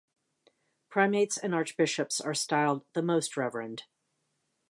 Primates and archbishops are styled "The Most Reverend".